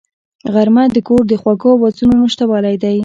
غرمه د کور د خوږو آوازونو نشتوالی دی